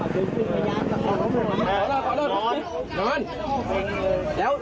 เดี๋ยว